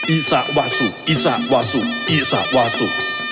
อีสะวาสุอีสะวาสุอีสะวาสุ